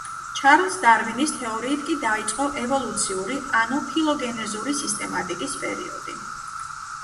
ჩარლზ დარვინის თეორიით კი დაიწყო ევოლუციური ანუ ფილოგენეზური სისტემატიკის პერიოდი.